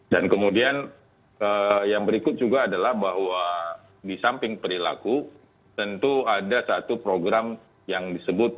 dan kemudian yang berikut juga adalah bahwa di samping perilaku tentu ada satu program yang disebut